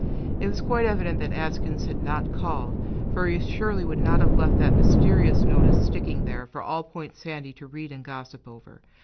It was quite evident that Askins had not called; for he surely would not have left that mysterious notice sticking there, for all Point Sandy to read and gossip over.